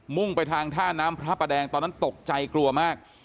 ่งไปทางท่าน้ำพระประแดงตอนนั้นตกใจกลัวมาก